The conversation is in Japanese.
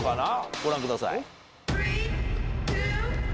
ご覧ください。